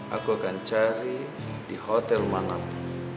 aku akan cari di hotel mana pun